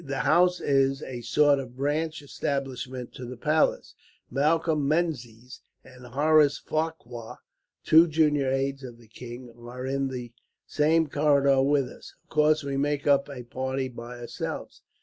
The house is a sort of branch establishment to the palace. Malcolm Menzies and Horace Farquhar, two junior aides of the king, are in the same corridor with us. Of course we make up a party by ourselves.